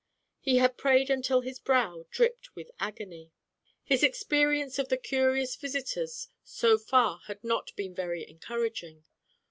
He had prayed until his brow dripped with agony. His experience of the curious vis itors so far had not been very encouraging.